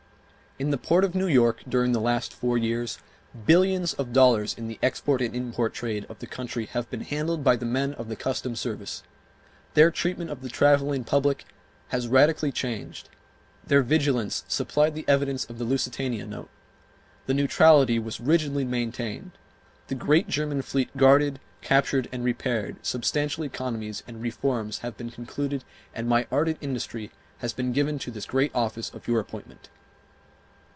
In the Port of New York, during the last four years, billions of dollars in the export and import trade of the country have been handled by the men of the customs service; their treatment of the traveling public has radically changed, their vigilance supplied the evidence of the Lusitania note; the neutrality was rigidly maintained; the great German fleet guarded, captured, and repaired—substantial economies and reforms have been concluded and my ardent industry has been given to this great office of your appointment.